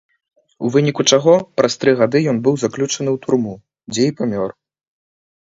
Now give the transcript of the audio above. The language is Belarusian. У выніку чаго, праз тры гады, ён быў заключаны ў турму, дзе і памёр.